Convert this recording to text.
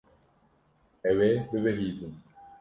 Ew ê bibihîzin.